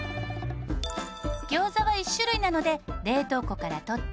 餃子は１種類なので冷凍庫から取って。